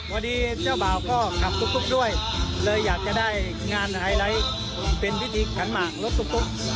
เจ้าบ่าวก็ขับตุ๊กด้วยเลยอยากจะได้งานไฮไลท์เป็นพิธีขันหมากรถตุ๊ก